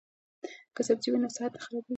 که سبزی وي نو صحت نه خرابیږي.